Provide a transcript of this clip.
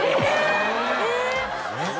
え！